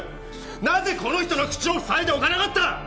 なぜこの人の口を塞いでおかなかった！